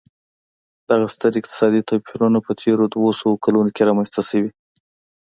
دغه ستر اقتصادي توپیرونه په تېرو دوه سوو کلونو کې رامنځته شوي.